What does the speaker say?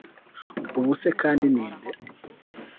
ubu se kandi ni nde